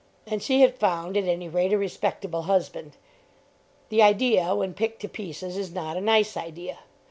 And she had found at any rate a respectable husband. The idea when picked to pieces is not a nice idea.